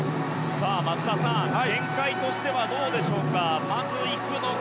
松田さん、展開としてはどうでしょうか。